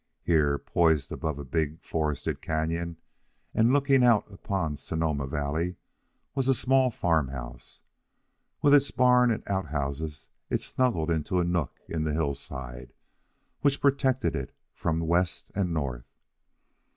Here, poised above a big forested canon, and looking out upon Sonoma Valley, was a small farm house. With its barn and outhouses it snuggled into a nook in the hillside, which protected it from west and north.